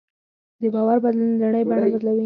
د باور بدلون د نړۍ بڼه بدلوي.